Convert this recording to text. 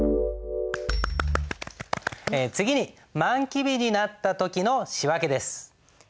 次に満期日になった時の仕訳です。